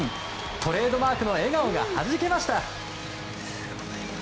トレードマークの笑顔がはじけました。